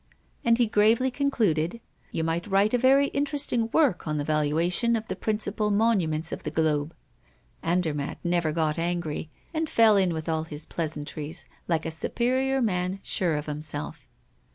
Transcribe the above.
And he gravely concluded: "You might write a very interesting work on the valuation of the principal monuments of the globe." Andermatt never got angry, and fell in with all his pleasantries, like a superior man sure of himself.